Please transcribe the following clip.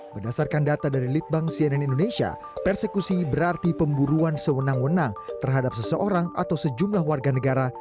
berdasarkan data dari litbang cnn indonesia persekusi berarti pemburuan sewenang wenang terhadap seseorang atau sejumlah warga negara